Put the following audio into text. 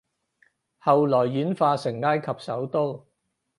後來演化成埃及首都